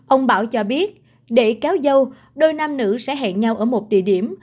ông bảo cho biết để kéo dâu đôi nam nữ sẽ hẹn nhau ở một địa điểm